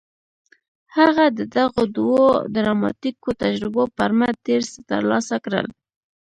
هغه د دغو دوو ډراماتيکو تجربو پر مټ ډېر څه ترلاسه کړل.